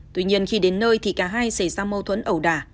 tuy nhiên khi đến nơi thì cả hai xảy ra mâu thuẫn ẩu đả